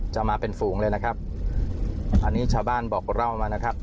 จะมาเป็นฝูงเลยนะครับอันนี้ชาวบ้านบอกเล่ามานะครับ